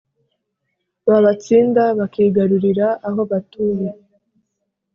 babtsinda bakigarurira aho batuye.